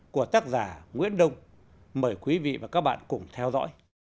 của tác giả nguyễn đông mời quý vị và các bạn cùng theo dõi